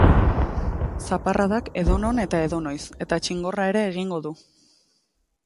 Zaparradak edonon eta edonoiz, eta txingorra ere egingo du.